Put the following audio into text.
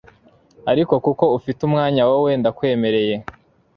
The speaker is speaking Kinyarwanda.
ariko kuko ufite umwanya wowe ndakwemereye